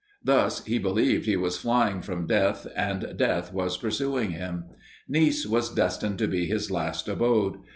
Thus he believed he was flying from death, and death was pursuing him. Nice was destined to be his last abode.